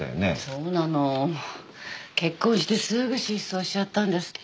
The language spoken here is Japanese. そうなの。結婚してすぐ失踪しちゃったんですって。